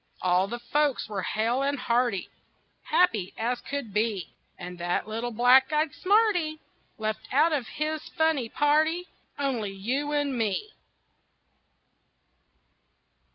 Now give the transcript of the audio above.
All the folks were hale and hearty, Happy as could be; And that little black eyed smarty Left out of his funny party Only you and me.